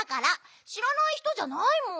しらないひとじゃないもん。